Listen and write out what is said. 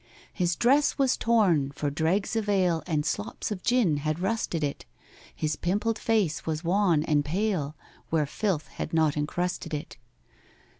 His dress was torn—for dregs of ale And slops of gin had rusted it; His pimpled face was wan and pale, Where filth had not encrusted it.